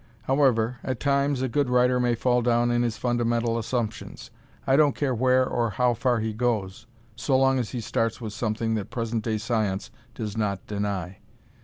However, at times, a good writer may fall down in his fundamental assumptions. I don't care where or how far he goes, so long as he starts with something that present day science does not deny.